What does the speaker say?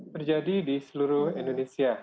berjadi di seluruh indonesia